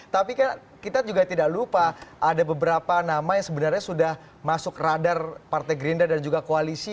tapi kan kita juga tidak lupa ada beberapa nama yang sebenarnya sudah masuk radar partai gerindra dan juga koalisi